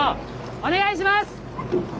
お願いします！